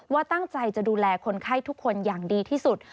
ว่าตั้งใจจะดูแลคนไข้ทุกคนอย่างดีที่สุด